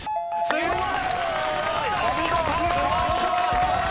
すごーい！